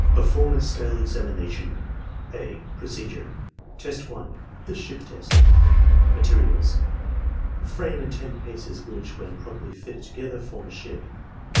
4. PERFORMANCE SCALE EXAMINATION (a) PROCEDURE Test 1.— The Ship Test Materials. — ^A frame and ten pieces which, when properly fitted together, form a ship.